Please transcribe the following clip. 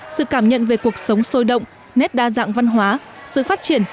sự cảm nhận về cuộc sống sôi động nét đa dạng văn hóa sự phát triển